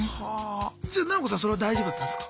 じゃあななこさんそれは大丈夫だったんすか？